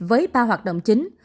với ba hoạt động chính